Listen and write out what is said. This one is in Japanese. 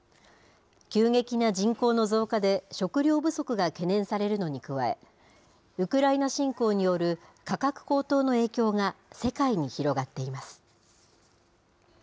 急激な人口の増加で食料不足が懸念されるのに加え、ウクライナ侵攻による価格高騰の影響が世界に広がっています。